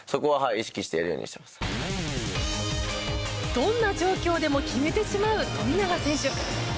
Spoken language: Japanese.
どんな状況でも決めてしまう、富永選手。